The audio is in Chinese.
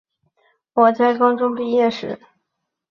在我高中毕业时